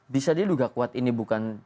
bisa diduga kuat ini bukan